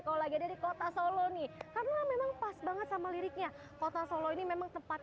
kalau lagi dari kota solo nih karena memang pas banget sama liriknya kota solo ini memang tempat